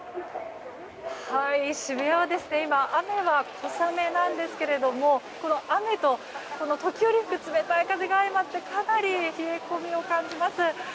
渋谷は雨は小雨なんですがこの雨と時折吹く冷たい風が相まってかなり冷え込みを感じます。